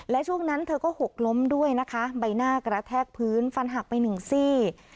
และช่วงนั้นเธอก็หกล้มด้วยนะคะใบหน้ากระแทกพื้นฟันหักไปหนึ่งซี่